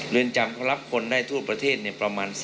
เรือนจำเขารับคนได้ทั่วประเทศเนี่ยประมาณ๑๘๐๐๐๐